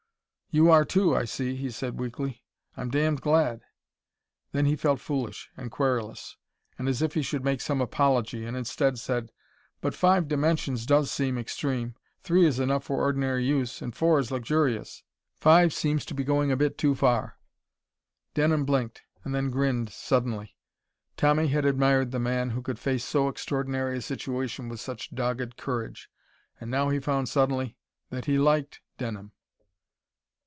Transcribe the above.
"You are, too, I see," he said weakly. "I'm damned glad." Then he felt foolish, and querulous, and as if he should make some apology, and instead said, "But five dimensions does seem extreme. Three is enough for ordinary use, and four is luxurious. Five seems to be going a bit too far." Denham blinked, and then grinned suddenly. Tommy had admired the man who could face so extraordinary a situation with such dogged courage, and now he found, suddenly, that he liked Denham.